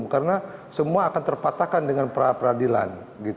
karena semua akan terpatahkan dengan pra peradilan